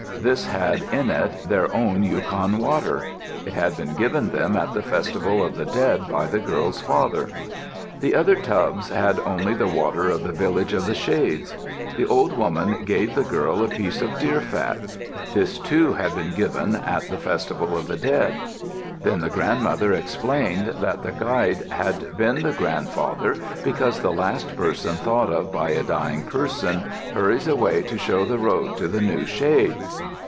This had in it their own Yukon water. It had been given them at the festival of the dead by the girl's father. The other tubs had only the water of the village of the shades. The old woman gave the girl a piece of deer fat. This, too, had been given at the festival of the dead. Then the grandmother explained that the guide had been the grandfather because the last person thought of by a dying person hurries away to show the road to the new shade.